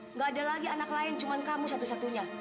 nggak ada lagi anak lain cuma kamu satu satunya